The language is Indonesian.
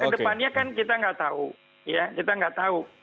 kan ke depannya kita nggak tahu